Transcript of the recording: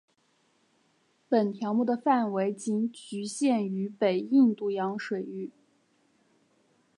本条目的范围仅局限于北印度洋水域。